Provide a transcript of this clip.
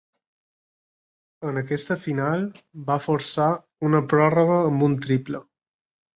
En aquesta final va forçar una pròrroga amb un triple.